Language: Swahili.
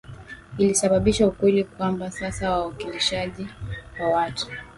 ilisababisha ukweli kwamba sasa wawakilishi wa watu